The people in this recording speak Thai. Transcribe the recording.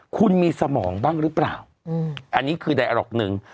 คุณมีสมองบ้างหรือเปล่าอันนี้คือใดหรอกหนึ่ง